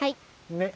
ねっ。